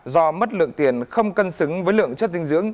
do mất lượng tiền không cân xứng với lượng chất dinh dưỡng